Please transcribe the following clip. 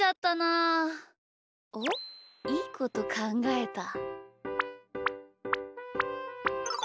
あっいいことかんがえた。